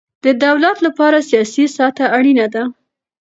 د دولت له پاره سیاسي سطحه اړینه ده.